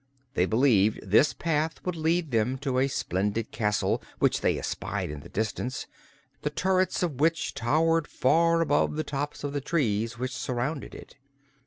They believed this path would lead them to a splendid castle which they espied in the distance, the turrets of which towered far above the tops of the trees which surrounded it.